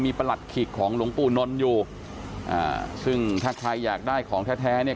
มีประหลัดขีกของหลวงปู่นนท์อยู่อ่าซึ่งถ้าใครอยากได้ของแท้แท้เนี่ย